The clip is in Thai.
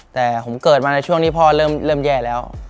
แต่ผมเกิดมาในช่วงนี้พ่อเริ่มแย่แล้ว